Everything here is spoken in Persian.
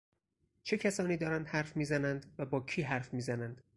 چه کسانی دارند حرف میزنند و با کی حرف میزنند؟